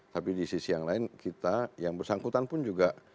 tapi di sisi yang lain kita yang bersangkutan pun juga